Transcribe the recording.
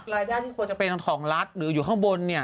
รายได้ที่ควรจะเป็นของรัฐหรืออยู่ข้างบนเนี่ย